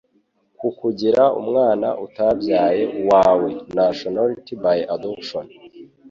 k'ukugira umwana utabyaye uwawe (nationality by adoption)